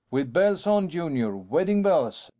"With bells on, Junior. Wedding bells!